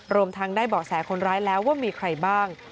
รวมทั้งได้เบาะแสคนร้ายแล้วว่ามีใครบ้าง